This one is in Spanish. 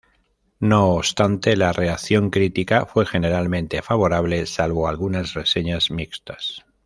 No obstante, la reacción crítica fue generalmente favorable, salvo algunas reseñas mixtas.